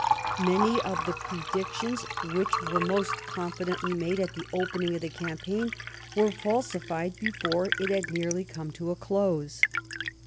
Many of the predictions which were most confidently made at the opening of the campaign were falsified before it had nearly come to a close.